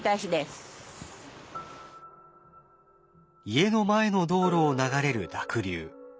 家の前の道路を流れる濁流。